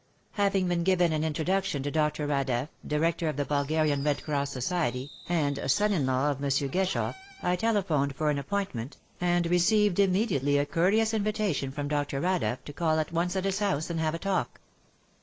Having been given an introduction to Dr. Radeff, Director of the Bulgarian Red Cross Society, and son in law of Monsieur Gueschoff, who was then Prime Minister, I telephoned for an appointment and received immediately a 3 34 WAR AND WOMEN courteous invitation from Dr. Radeff to call at once at his house and have a talk.